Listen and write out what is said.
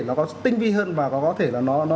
nó có tinh vi hơn và có thể là nó